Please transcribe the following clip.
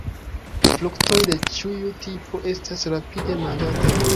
Fruktoj de ĉiu tipo estas rapide manĝataj.